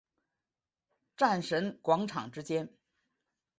战神广场之间。